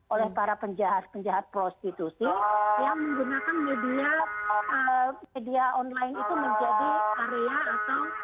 oleh para penjahat penjahat prostitusi yang menggunakan media online itu menjadi karya atau